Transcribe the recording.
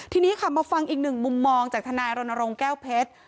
ทีนี้ค่ะมาฟังอีกหนึ่งมุมมองจากทนายรณรงค์แก้วเพชร